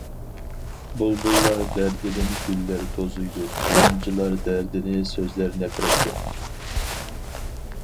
بۇلبۇللار دەردىدىن گۈللەر توزۇيدۇ، غۇنچىلار دەردىنى سۆزلەر نەپرەتتە.